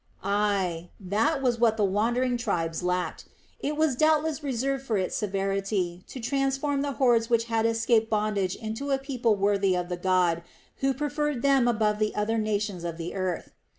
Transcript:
Ay, that was what the wandering tribes lacked. It was doubtless reserved for its severity to transform the hordes which had escaped bondage into a people worthy of the God who preferred them above the other nations of the earth.